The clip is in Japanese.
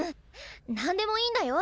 何でもいいんだよ？